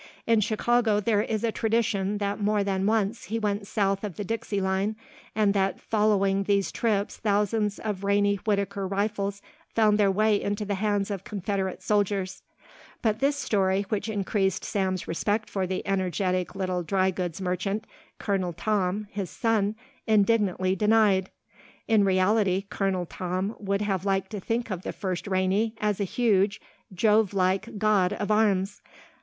In Chicago there is a tradition that more than once he went south of the Dixie line and that following these trips thousands of Rainey Whittaker rifles found their way into the hands of Confederate soldiers, but this story which increased Sam's respect for the energetic little drygoods merchant, Colonel Tom, his son, indignantly denied. In reality Colonel Tom would have liked to think of the first Rainey as a huge, Jove like god of arms.